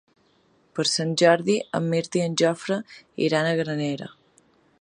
Per Sant Jordi en Mirt i en Jofre iran a Granera.